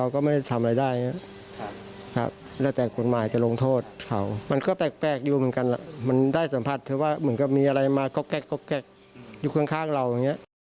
ก็มีอะไรมาก็แกล้กอยู่ข้างเราอย่างนี้